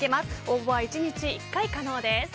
応募は１日１回可能です。